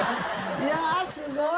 いやっすごい！